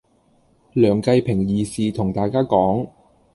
梁繼平義士同大家講